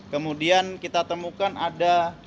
kemudian kita temukan ada